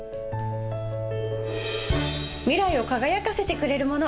未来を輝かせてくれるもの。